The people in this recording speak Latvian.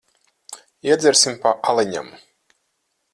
Iedzersim pa aliņam.